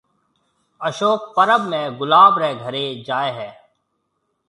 اشوڪ پرٻ ۾ گلاب رَي گھرَي جائيَ ھيََََ